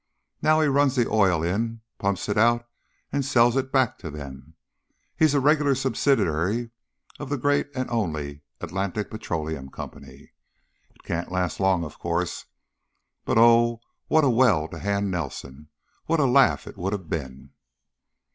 Now he runs the oil in, pumps it out and sells it back to them. He's a regular subsidiary of the great and only Atlantic Petroleum Company. It can't last long, of course, but oh, what a well to hand Nelson! What a laugh it would have been!"